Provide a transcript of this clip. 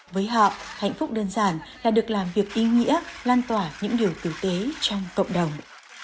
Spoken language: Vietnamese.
với họ hạnh phúc đơn giản là được làm việc ý nghĩa lan tỏa những điều tử tế trong cộng đồng